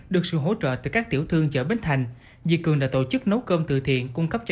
được sự hỗ trợ từ các tiểu thương chợ bến thành dì cường đã tổ chức nấu cơm từ thiện